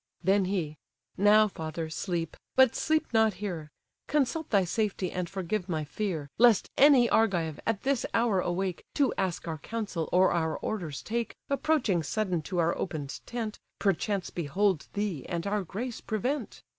Then he: "Now, father, sleep, but sleep not here; Consult thy safety, and forgive my fear, Lest any Argive, at this hour awake, To ask our counsel, or our orders take, Approaching sudden to our open'd tent, Perchance behold thee, and our grace prevent.